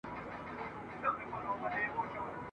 نه تر ښار نه تر بازاره سو څوک تللای ..